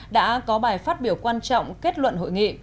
đã có bài phát biểu quan trọng kết luận hội nghị